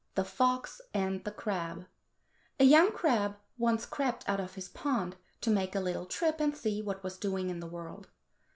13 THE FOX AND THE CRAB A young crab once crept out of his pond to make a little trip and see what was doing in the world.